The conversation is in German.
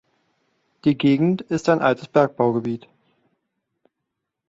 Die Gegend ist ein altes Bergbaugebiet.